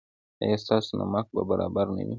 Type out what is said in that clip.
ایا ستاسو نمک به برابر نه وي؟